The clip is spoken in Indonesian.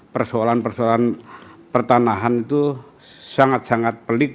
persoalan persoalan pertanahan itu sangat sangat pelik